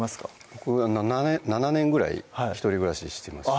僕７年ぐらい一人暮らししてました